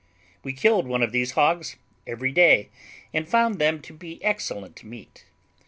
We killed one of these hogs every day, and found them to be excellent meat.